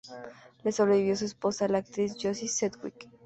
Le sobrevivió su esposa, la actriz Josie Sedgwick.